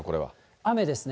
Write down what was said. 雨ですね。